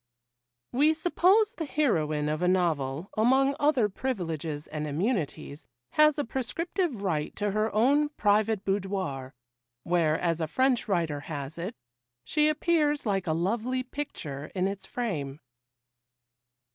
WE suppose the heroine of a novel, among other privileges and immunities, has a prescriptive right to her own private boudoir, where, as a French writer has it, 'she appears like a lovely picture in its frame.